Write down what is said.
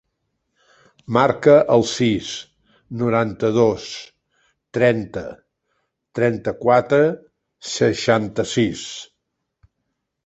Marca el sis, noranta-dos, trenta, trenta-quatre, seixanta-sis.